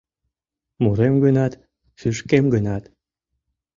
Мурем гынат, шӱшкем гынат